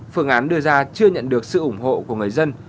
phương án đưa ra chưa nhận được sự ủng hộ của người dân